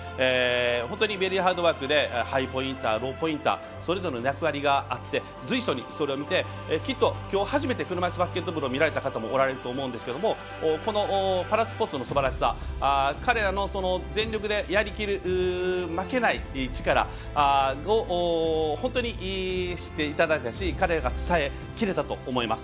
本当にベリーハードワークでハイポインター、ローポインターそれぞれの役割があって随所にそれを見てきょう初めて車いすバスケットボールを見られた方もおられると思うんですけどこのパラスポーツのすばらしさ彼らの全力でやりきる負けない力を本当に知っていただいたと思います。